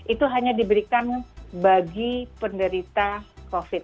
itu hanya diberikan bagi penderita covid sembilan belas